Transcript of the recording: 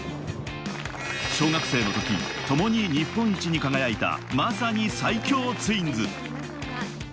小学生の時、ともに日本一に輝いた、まさに最強ツインズ。